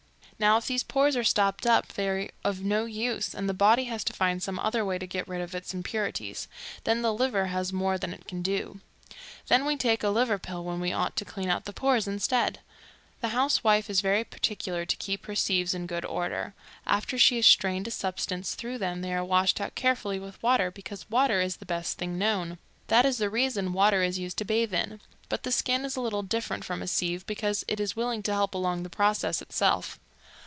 Now, if these pores are stopped up they are of no use, and the body has to find some other way to get rid of its impurities. Then the liver has more than it can do. Then we take a liver pill when we ought to clean out the pores instead. The housewife is very particular to keep her sieves in good order; after she has strained a substance through them they are washed out carefully with water, because water is the best thing known. That is the reason water is used to bathe in. But the skin is a little different from a sieve, because it is willing to help along the process itself.